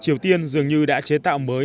triều tiên dường như đã chế tạo mới